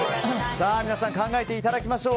考えていただきましょう。